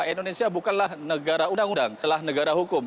indonesia bukanlah negara undang undang telah negara hukum